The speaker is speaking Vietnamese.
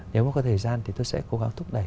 nếu mà có thời gian thì tôi sẽ cố gắng thúc đẩy